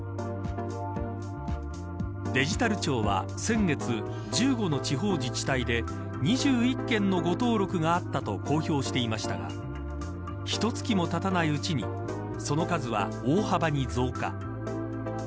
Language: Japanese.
デジタル庁は、先月１５の地方自治体で２１件の誤登録があったと公表していましたがひと月もたたないうちにその数は、大幅に増加。